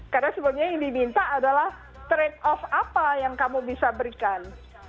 karena sebenarnya yang diminta adalah trade off apa yang kamu bisa berikan